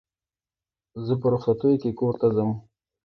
زه په رخصتیو کښي کور ته ځم.